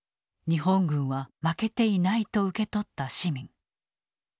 日本軍は負けていないと受け取った市民。